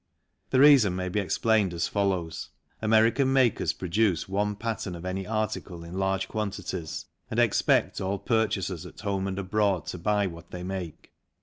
The reason may be explained as follows. American makers produce one pattern of any article in large quantities and expect all purchasers at home and abroad to buy what they make.